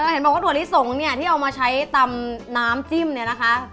เห็นบอกว่าถั่วลิสงเนี่ยที่เอามาใช้ตำน้ำจิ้มเนี่ยนะคะ